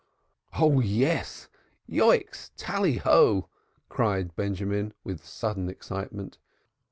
"Oh yes! Yoicks! Tallyho!" cried Benjamin, with sudden excitement.